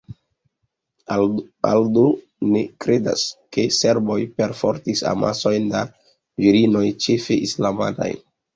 Aldo ne kredas, ke serboj perfortis amasojn da virinoj ĉefe islamanaj.